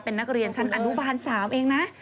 เป็นนักเรียนชั้นอนุบาล๓เองนะ